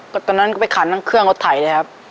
ตอนนั้นก็ไปขันทั้งเครื่องรถไถเลยครับ